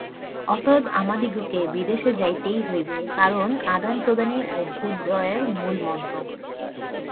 অতএব আমাদিগকে বিদেশে যাইতেই হইবে, কারণ আদান-প্রদানই অভ্যুদয়ের মূলমন্ত্র।